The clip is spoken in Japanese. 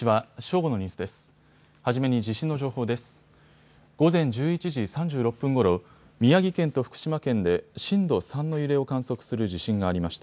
午前１１時３６分ごろ、宮城県と福島県で震度３の揺れを観測する地震がありました。